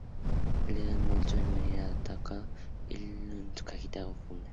El dan moi suele venir atado por un hilo a su cajita o funda.